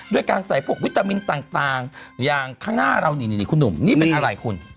ด้วยการใส่พวกวิตามินต่างอย่างข้างหน้าเรานี่คุณหนุ่มนี่เป็นอะไรคุณ